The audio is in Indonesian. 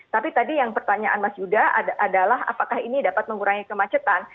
tapi tadi yang pertanyaan mas yuda adalah apakah ini dapat mengurangi kemacetan